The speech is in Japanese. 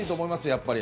やっぱり。